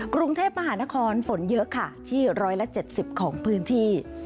กรุงเทพมหานครฝนเยอะค่ะที่๑๗๐ของพื้นที่